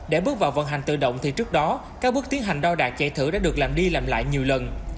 để bước vào vận hành tự động thì trước đó các bước tiến hành đo đạt chạy thử đã được làm đi làm lại nhiều lần